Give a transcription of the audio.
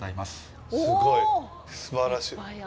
すごい、すばらしい。